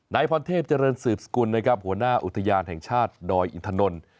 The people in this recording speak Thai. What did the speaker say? นายพันเทพจริงสืบสกุลหัวหน้าอุตยานแห่งชาติดอยอิทธานนท์